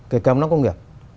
cái cầm nó công nghiệp